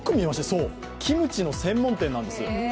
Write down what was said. そう、キムチの専門店なんです。